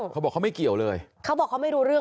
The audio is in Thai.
เขาบอกเขาไม่เกี่ยวเลยเขาบอกเขาไม่รู้เรื่อง